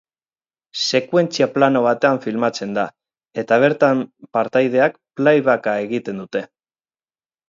Sekuentzia plano batean filmatzen da, eta bertan partaideak playback-a egiten dute.